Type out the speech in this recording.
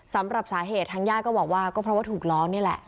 สำหรับสาเหตุทางญาติก็บอกว่าก็เพราะว่าถูกล้อนี่แหละ